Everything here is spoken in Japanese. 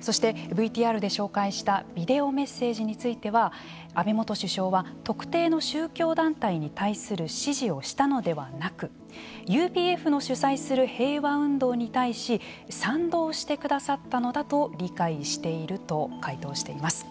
そして、ＶＴＲで紹介したビデオメッセージについては安倍元首相は特定の宗教団体に対する支持をしたのではなくＵＰＦの主催する平和運動に対し賛同してくださったのだと理解していると回答しています。